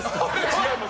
違います。